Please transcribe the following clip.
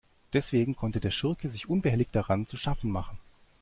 Deswegen konnte der Schurke sich unbehelligt daran zu schaffen machen.